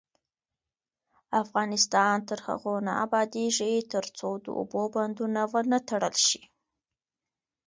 افغانستان تر هغو نه ابادیږي، ترڅو د اوبو بندونه ونه تړل شي.